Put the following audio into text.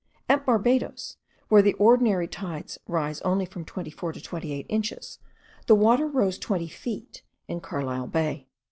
At Barbados, where the ordinary tides rise only from twenty four to twenty eight inches, the water rose twenty feet in Carlisle Bay.